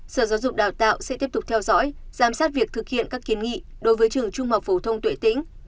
sở giáo dục đào tạo sẽ tiếp tục theo dõi giám sát việc thực hiện các kiến nghị đối với trường trung học phổ thông tuệ tĩnh